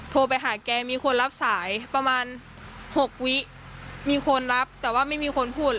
โทรไปหาแกมีคนรับสายประมาณ๖วิมีคนรับแต่ว่าไม่มีคนพูด